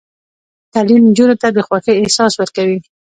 تعلیم نجونو ته د خوښۍ احساس ورکوي.